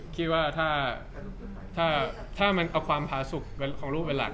คิดว่าถ้ามันเอาความผาสุขของลูกเป็นหลัก